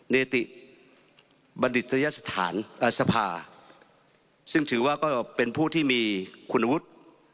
เนติบัณฑิตยสถานสภาซึ่งถือว่าก็เป็นผู้ที่มีคุณวุฒิ